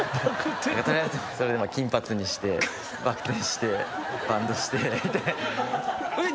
それで金髪にしてバク転してバンドしてって。